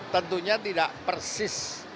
tentunya tidak persis